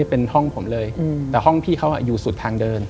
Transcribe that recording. เป็นห้องผมเลยแต่ห้องพี่เขาอยู่สุดทางเดิน